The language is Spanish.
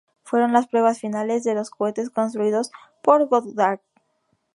Fueron las pruebas finales de los cohetes construidos por Goddard.